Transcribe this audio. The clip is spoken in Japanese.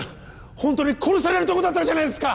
ホントに殺されるとこだったじゃないですか！